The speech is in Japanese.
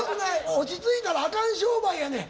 落ち着いたらあかん商売やねん。